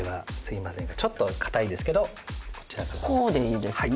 こうでいいですね？